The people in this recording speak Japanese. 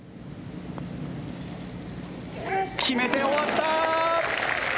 決めて終わった！